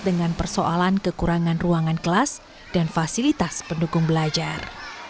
dengan persoalan kekurangan ruangan kelas dan fasilitas pendukung belajar